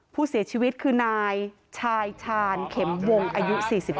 ผู้เสียชีวิตคือนายชายชาญเข็มวงอายุ๔๕